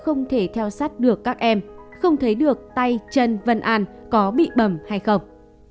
không thể theo sát được các em không thấy được tay chân vân an có bị bầm hay không